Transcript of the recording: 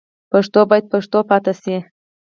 پښتو باید پښتو پاتې شي.